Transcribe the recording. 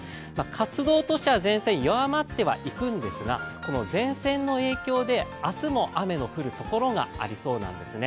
活動としては前線、弱まっていくんですがこの前線の影響で明日も雨の降る所がありそうなんですね。